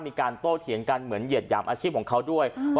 มีการโต้เถียงกันเหมือนเหยียดหยามอาชีพของเขาด้วย